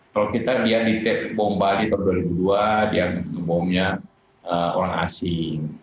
kalau kita lihat di bom bali tahun dua ribu dua dia bomnya orang asing